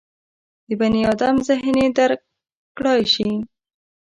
د بني ادم ذهن یې درک کړای شي.